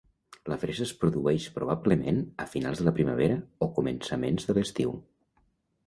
La fresa es produeix, probablement, a finals de la primavera o començaments de l'estiu.